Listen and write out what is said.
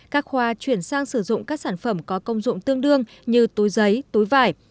các khoa chuyển sang sử dụng các sản phẩm có công dụng tương đương như túi giấy túi vải